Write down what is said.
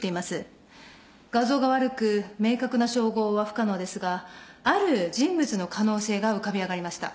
画像が悪く明確な照合は不可能ですがある人物の可能性が浮かび上がりました。